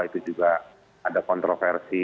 itu juga ada kontroversi